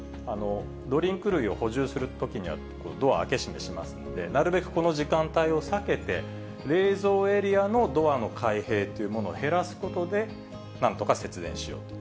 ドリンク類を補充するときにはドアを開け閉めしますんで、なるべくこの時間帯を避けて、冷蔵エリアのドアの開閉というものを減らすことで、なんとか節電しようと。